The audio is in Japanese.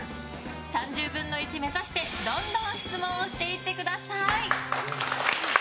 ３０分の１目指してどんどん質問をしていってください！